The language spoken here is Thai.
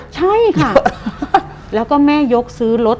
ใช่ค่ะแล้วก็แม่ยกซื้อรถ